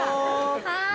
はい！